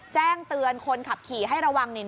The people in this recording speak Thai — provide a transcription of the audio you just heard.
แจ้งเตือนคนขับขี่ให้ระวัง